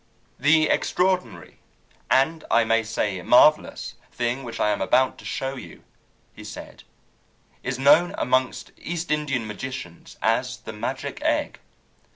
"The extraordinary, and I may say marvellous, thing which I am about to show you," he said, "is known among East Indian magicians as the magic egg.